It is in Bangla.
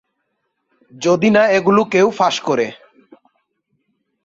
যদি না এগুলো কেউ ফাঁস করে।